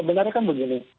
sebenarnya kan begini